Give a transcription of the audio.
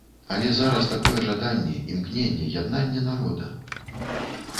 Але зараз такое жаданне, імкненне, яднанне народа.